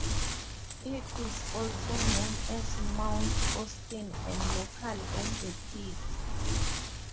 It is also known as Mount Austin, and locally as The Peak.